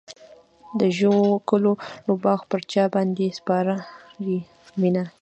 د ژړو ګلو باغ پر چا باندې سپارې مینه.